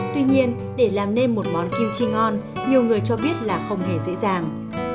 tuy nhiên để làm nên một món kim chi ngon nhiều người cho biết là không hề dễ dàng